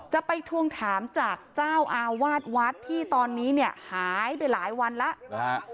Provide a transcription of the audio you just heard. ไปทวงถามจากเจ้าอาวาสวัดที่ตอนนี้เนี่ยหายไปหลายวันแล้วนะฮะ